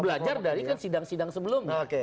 belajar dari kan sidang sidang sebelumnya